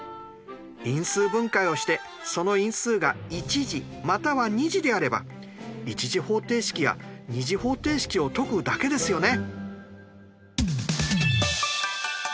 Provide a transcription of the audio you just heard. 因数分解をしてその因数が１次または２次であれば１次方程式や２次方程式を解くだけですよね。